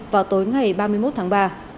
vào tối ngày ba mươi một tháng ba